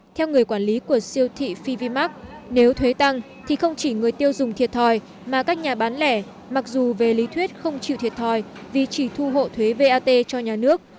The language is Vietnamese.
theo người quản lý của siêu thị fivimax nếu thuế tăng thì không chỉ người tiêu dùng thiệt thòi mà các nhà bán lẻ mặc dù về lý thuyết không chịu thiệt thòi vì chỉ thu hộ thuế vat cho nhà nước